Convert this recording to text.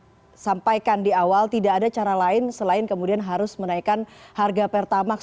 jadi harusnya kita melakukan perusahaan yang ada cara lain selain kemudian harus menaikkan harga pertamax